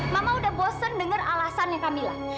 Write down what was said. mama udah bosen denger alasannya kamila